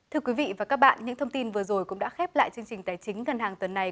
thưa quý vị và các bạn những thông tin vừa rồi cũng đã khép lại chương trình tài chính ngân hàng tuần này